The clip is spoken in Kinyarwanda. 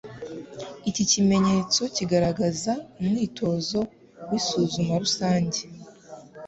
Iki kimenyetso kigaragaza umwitozo w'isuzuma rusange